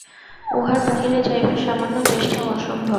উহার বাহিরে যাইবার সামান্য চেষ্টাও অসম্ভব।